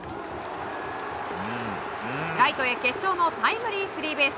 ライトへ決勝のタイムリースリーベース。